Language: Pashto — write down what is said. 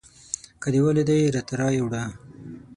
که دې ولیدی راته رایې وړه